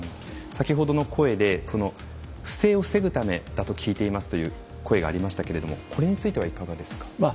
先ほどの声で「不正を防ぐためだと聞いています」という声がありましたけれどもこれについてはいかがですか。